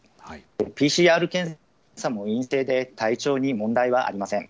ＰＣＲ検査も陰性で、体調に問題はありません。